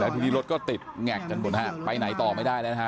ทีนี้รถก็ติดแงกกันหมดฮะไปไหนต่อไม่ได้แล้วนะฮะ